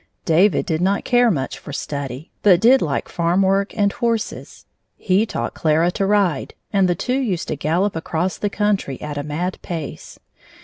David did not care much for study, but did like farm work and horses. He taught Clara to ride, and the two used to gallop across the country at a mad pace.